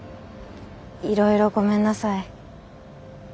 いろいろごめんなさい。